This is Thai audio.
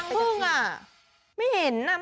ไม่เห็นนะไม่เห็นใคร